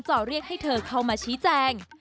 เรียกให้เธอเข้ามาชี้แจง